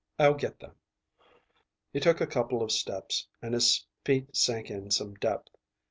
"I'll get them." He took a couple of steps, and his feet sank in some depth.